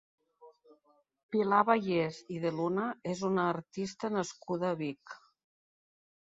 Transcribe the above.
Pilar Bayés i de Luna és una artista nascuda a Vic.